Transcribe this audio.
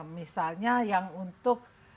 misalnya yang untuk